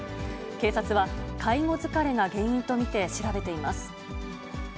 警察は、介護疲れが原因と見て調べています。